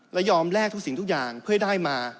และยอมแลกทุกสิ่งทุกอย่างเพื่อได้มา